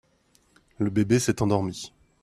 Le bébé s'est endormi.